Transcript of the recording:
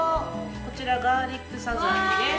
こちらガーリックさざえです。